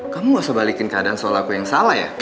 kamu gak usah balikin keadaan soal aku yang salah ya